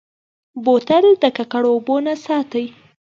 بوتل د ککړو اوبو نه ساتي.